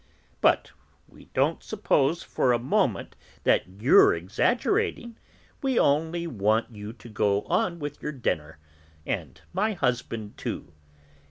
"But we don't suppose for a moment that you're exaggerating; we only want you to go on with your dinner, and my husband too.